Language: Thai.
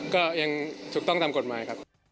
ก็ยังถูกต้องตามกฎหมายครับ